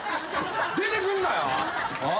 出てくんなよ。